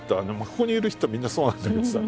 ここにいる人はみんなそうなんだけどさ。